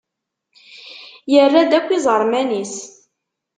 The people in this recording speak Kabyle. Yerra-d akk iẓerman-is.